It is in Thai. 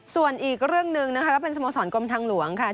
ส่วนอีกเรื่องหนึ่งนะคะก็เป็นสโมสรกรมทางหลวงค่ะ